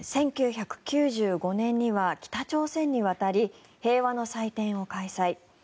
１９９５年には北朝鮮に渡り平和の祭典を開催。